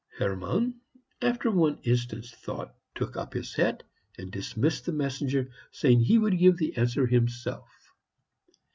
Hermann, after one instant's thought, took up his hat and dismissed the messenger, saying he would give the answer himself.